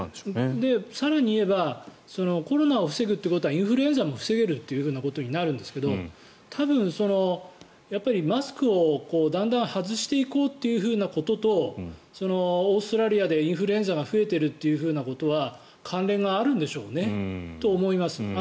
更にいえばコロナを防ぐということはインフルエンザも防げるということになるんですけど多分、マスクをだんだん外していこうということとオーストラリアでインフルエンザが増えているということは関連があるんでしょうねと思います。